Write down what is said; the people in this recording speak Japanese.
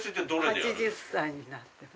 ８０歳になっても。